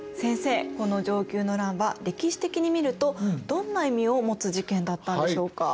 この承久の乱は歴史的に見るとどんな意味を持つ事件だったんでしょうか？